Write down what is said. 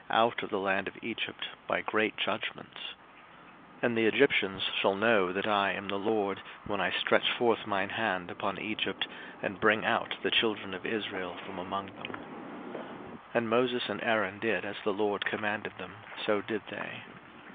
02:007:005 And the Egyptians shall know that I am the LORD, when I stretch forth mine hand upon Egypt, and bring out the children of Israel from among them. 02:007:006 And Moses and Aaron did as the LORD commanded them, so did they.